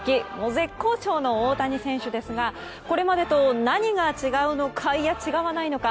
絶好調の大谷翔平選手ですがこれまでと何が違うのかいや、違わないのか。